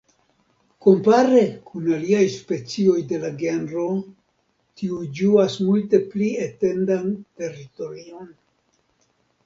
Kompare kun aliaj specioj de la genro, tiu ĝuas multe pli etendan teritorion.